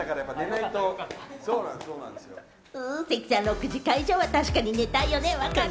関さん、６時間以上は確かに寝たいよね、わかる！